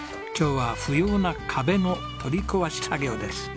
今日は不要な壁の取り壊し作業です。